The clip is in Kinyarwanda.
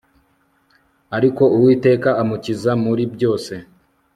Ariko Uwiteka amukiza muri byose